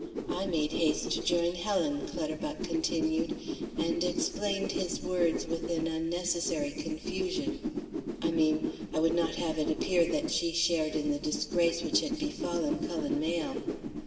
I made haste to join Helen," Clutterbuck continued, and explained his words with an unnecessary confusion. "I mean, I would not have it appear that she shared in the disgrace which had befallen Cullen Mayle.